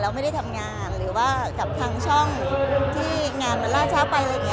เราไม่ได้ทำงานหรือว่ากลับทางช่องที่งานมันลาเช้าไป